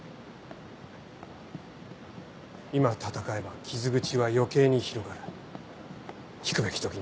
今戦えば傷口は余計に広がる引くべき時に引く。